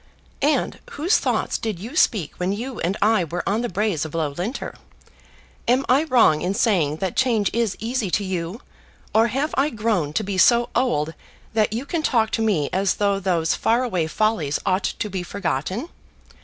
"And whose thoughts did you speak when you and I were on the braes of Loughlinter? Am I wrong in saying that change is easy to you, or have I grown to be so old that you can talk to me as though those far away follies ought to be forgotten?